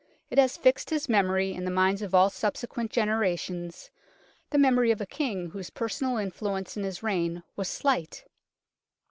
It has fixed his memory in the minds of all subsequent genera tions the memory of a King whose personal influence in his reign was slight.